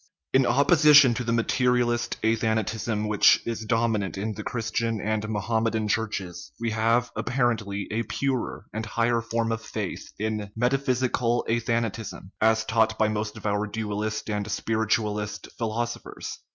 In opposition to the materialist athanatism, which is dominant in the Christian and Mohammedan Churches, we have, apparently, a purer and higher form of faith in the metaphysical athanatism, as taught by most of our dualist and spiritualist philosophers.